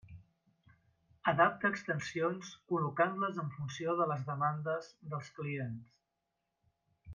Adapta extensions col·locant-les en funció de les demandes dels clients.